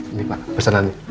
ini pak pesanan ini